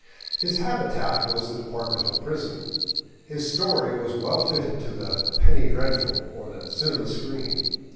His habitat was the departmental prison. His story was well fitted to the " Penny Dreadful " or the cinema screen.